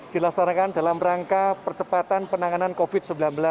dilaksanakan dalam rangka percepatan penanganan covid sembilan belas